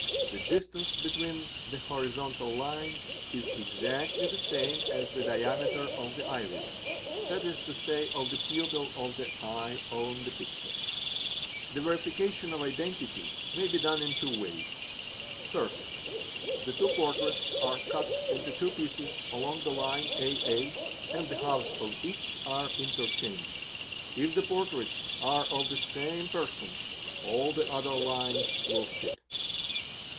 The distance between the horizontal lines is exactly the ame as the diameter of the iris, that is to say, of the pupil of the eye on the picture. _ The verification of identity may be done in two ways :—| 1. The two portraits are cut into two pieces along the line aa and e halves.of each are interchanged. If the portraits are of the same rson all the other lines will fit.